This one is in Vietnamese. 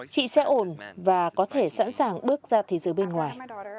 chị sẽ ổn và có thể sẵn sàng bước ra thế giới bên ngoài